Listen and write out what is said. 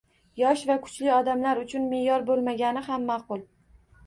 Yosh va kuchli odamlar uchun me’yor bo‘lmagani ham ma’qul